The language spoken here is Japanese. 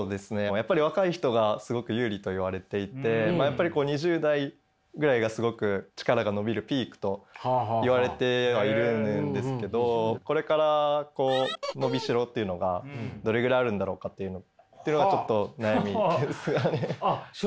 やっぱり若い人がすごく有利といわれていて２０代ぐらいがすごく力が伸びるピークといわれてはいるんですけどこれから伸びしろっていうのがどれぐらいあるんだろうかっていうのがちょっと悩みです。